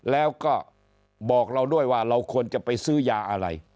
แล้วก็บอกเราด้วยว่าเราควรจะไปซื้อยาอะไร